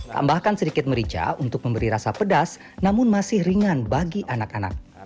tambahkan sedikit merica untuk memberi rasa pedas namun masih ringan bagi anak anak